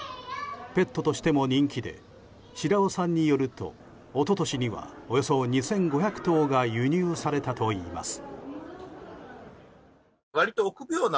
ペットとしても人気で白輪さんによると一昨年にはおよそ２５００頭が輸入されたといいます。